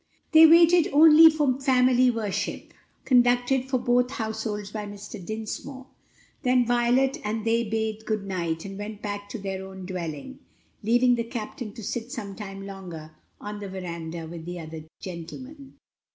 They waited only for family worship, conducted for both households by Mr. Dinsmore, then Violet and they bade good night and went back to their own dwelling, leaving the captain to sit some time longer on the veranda with the other gentlemen.